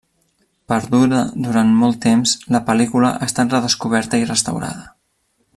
Perduda durant molt temps, la pel·lícula ha estat redescoberta i restaurada.